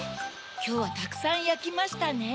きょうはたくさんやきましたね。